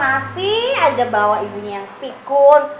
masih aja bawa ibunya yang tikun